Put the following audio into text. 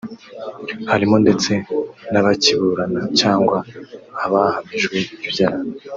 harimo ndetse n’abakiburana cyangwa abahamijwe ibyaha